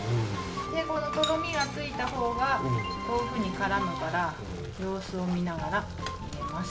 このとろみがついた方が豆腐に絡むから様子を見ながら入れます